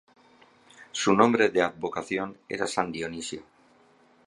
Su nombre de advocación era "San Dionisio".